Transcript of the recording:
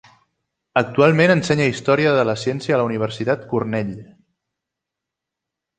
Actualment ensenya història de la ciència a la Universitat Cornell.